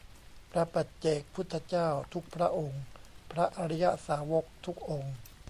พระปัจเจกพุทธเจ้าทุกพระองค์ พระอริยสาวกทุกองค์